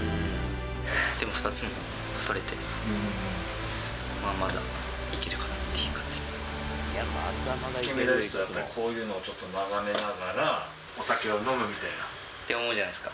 ２つもとれて、まあ、まだい金メダリストはやっぱり、こういうのをちょっと眺めながら、お酒を飲むみたいな？って思うじゃないですか。